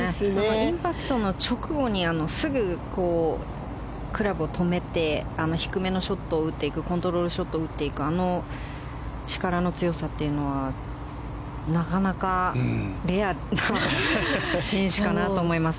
インパクトの直後にすぐクラブを止めて低めのショットを打っていくコントロールショットを打っていくあの力の強さというのはなかなかレアな選手かなと思います。